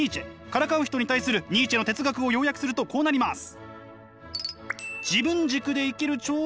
からかう人に対するニーチェの哲学を要約するとこうなります。